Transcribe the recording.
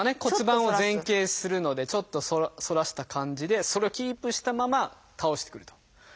骨盤を前傾するのでちょっと反らした感じでそれをキープしたまま倒してくると。